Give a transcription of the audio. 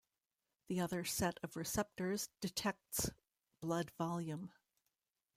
The other set of receptors detects blood volume.